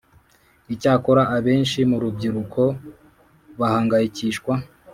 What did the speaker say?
Icyakora abenshi mu rubyiruko bahangayikishwa